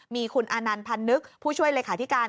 มีคุณอานันต์พันนึกผู้ช่วยเลขาธิการ